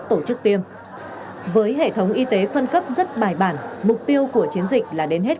tổ chức tiêm với hệ thống y tế phân cấp rất bài bản mục tiêu của chiến dịch là đến hết